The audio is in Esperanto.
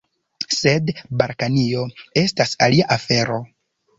Sed Balkanio estas alia afero.